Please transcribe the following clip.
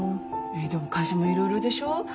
えでも会社もいろいろでしょう。